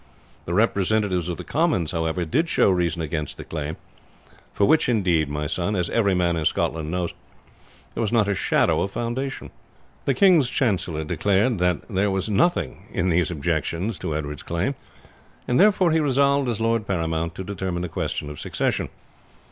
The representatives of the commons, however, did show reason against the claim, for which, indeed, my son, as every man in Scotland knows, there was not a shadow of foundation. "The king's chancellor declared that there was nothing in these objections to Edward's claim, and therefore he resolved, as lord paramount, to determine the question of succession.